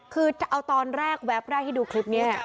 คือเอาตอนแรกแวบแรกที่ดูคลิปนี้